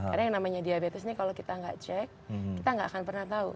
karena yang namanya diabetes ini kalau kita gak cek kita gak akan pernah tahu